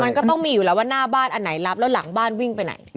มันก็ต้องมีอยู่แล้วว่าหน้าบ้านอันไหนรับแล้วหลังบ้านวิ่งไปไหน